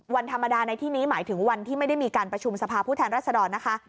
วันธรรมดาในที่นี้หมายถึงวันที่ไม่ได้มีการประชุมสภาพผู้แทนรัศดรนะคะ